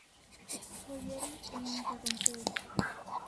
Foi ela quen me interrompeu.